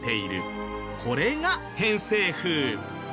これが偏西風。